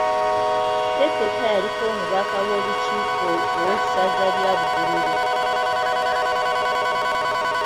Feffeka yaliko omubaka w’olukiiko ow’essaza lya Bugerere.